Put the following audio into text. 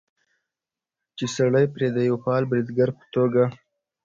چې سړى پرې د يوه فعال بريدګر په توګه